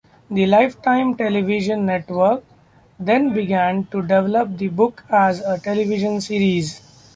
The Lifetime Television network then began to develop the book as a television series.